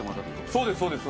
そうです